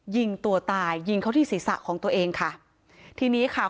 ยิงตัวตายยิงเขาที่ศีรษะของตัวเองค่ะทีนี้ค่ะ